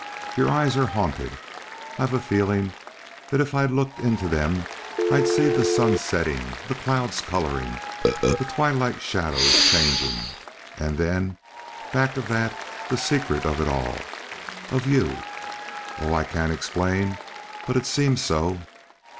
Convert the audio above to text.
Your eyes are haunted. I've a feeling that if I'd look into them I'd see the sun setting, the clouds coloring, the twilight shadows changing; and then back of that the secret of it all of you Oh! I can't explain, but it seems so."